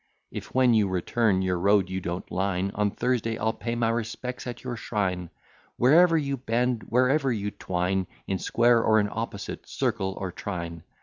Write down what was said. If when you return your road you don't line, On Thursday I'll pay my respects at your shrine, Wherever you bend, wherever you twine, In square, or in opposite, circle, or trine.